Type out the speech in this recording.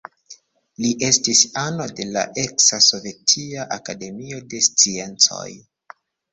Li estis ano de la eksa Sovetia Akademio de Sciencoj.